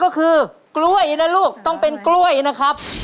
ก็คือกล้วยนะลูกต้องเป็นกล้วยนะครับ